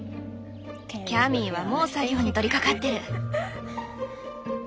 キャミーはもう作業に取りかかってる！